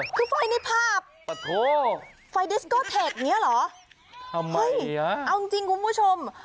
คือไฟในภาพไฟดิสโกเทคนี้เหรอเอาจริงคุณผู้ชม